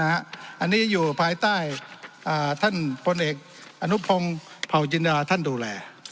อันนี้อยู่ภายใต้ท่านพลเอกอนุพงศ์เผาจินดาท่านดูแล